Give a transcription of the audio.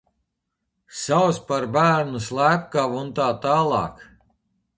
Sauca par bērnu slepkavu un tā tālāk!